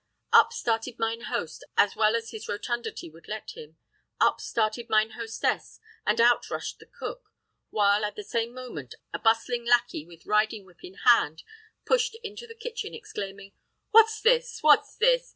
Up started mine host as well as his rotundity would let him; up started mine hostess, and out rushed the cook; while, at the same moment, a bustling lacquey with riding whip in hand, pushed into the kitchen, exclaiming, "What's this! what's this!